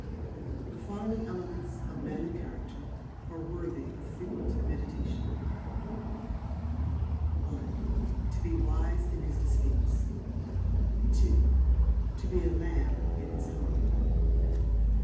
The following elements of manly character are worthy of frequent meditation: i. To be wise in his disputes. ii. To be a lamb in his home.